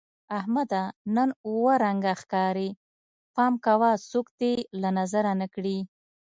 احمده! نن اووه رنگه ښکارې. پام کوه څوک دې له نظره نه کړي.